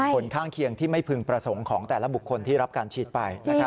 ผลข้างเคียงที่ไม่พึงประสงค์ของแต่ละบุคคลที่รับการฉีดไป